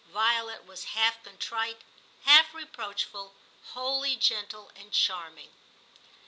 Violet was half contrite, half reproachful, wholly gentle and charming.